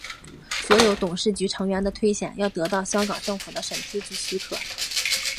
所有董事局成员的推选要得到香港政府的批准及许可。